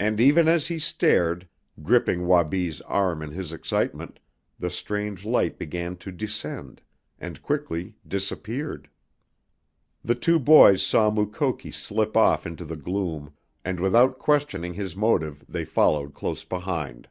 And even as he stared, gripping Wabi's arm in his excitement, the strange light began to descend, and quickly disappeared! The two boys saw Mukoki slip off into the gloom, and without questioning his motive they followed close behind.